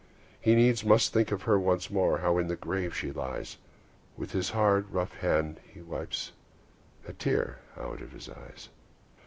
He needs must think of her once more, How in the grave she lies; And with his hard, rough hand he wipes A tear out of his eyes.